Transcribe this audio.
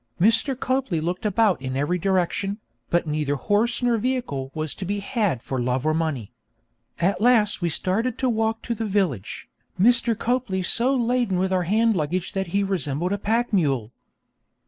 Mr. Copley looked about in every direction, but neither horse nor vehicle was to be had for love or money. At last we started to walk to the village, Mr. Copley so laden with our hand luggage that he resembled a pack mule.